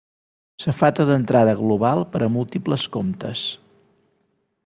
Safata d'entrada global per a múltiples comptes.